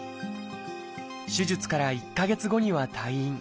手術から１か月後には退院。